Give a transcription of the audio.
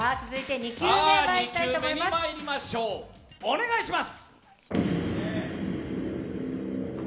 ２球目まいりましょう、お願いします！